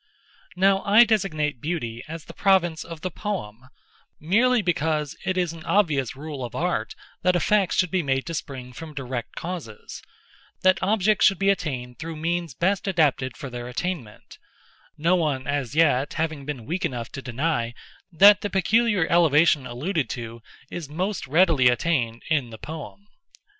Now I designate Beauty as the province of the poem, merely because it is an obvious rule of Art that effects should be made to spring from direct causes—that objects should be attained through means best adapted for their attainment—no one as yet having been weak enough to deny that the peculiar elevation alluded to is most readily attained in the poem.